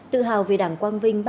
tự hào về đảng quang vinh